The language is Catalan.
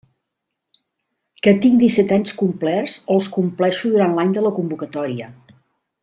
Que tinc disset anys complerts o els compleixo durant l'any de la convocatòria.